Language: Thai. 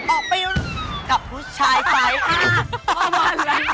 ออกไปอยู่กับผู้ชายใส่ห้า